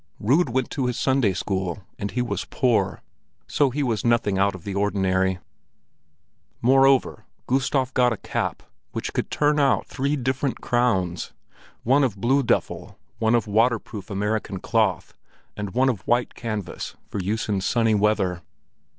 Rud went to his Sunday school, and he was poor; so he was nothing out of the ordinary. Moreover, Gustav had got a cap which could turn out three different crowns—one of blue duffle, one of water proof American cloth, and one of white canvas for use in sunny weather.